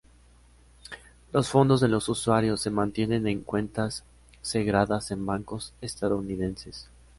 Los fondos de los usuarios se mantienen en cuentas segregadas en bancos estadounidenses.